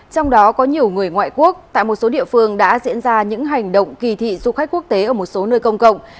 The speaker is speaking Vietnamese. trong đó có nhiều người ngoại quốc tại một số địa phương đã diễn ra những hành động kỳ thị du khách quốc tế ở một số nơi công cộng